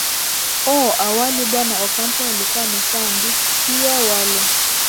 o awali bwana ocampo alikuwa ameshaandikia wale